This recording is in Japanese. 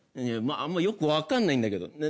いやあんまよくわかんないんだけど。